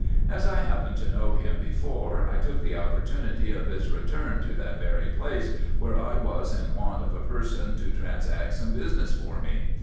As I happened to know him before, I took the opportunity of his return to that very place where I was in want of a person to transact some business for me.